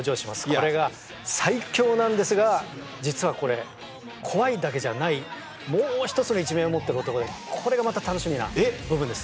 これが最凶なんですが、実はこれ、怖いだけじゃない、もう一つの一面を持っている男で、これがまた楽しみな部分です。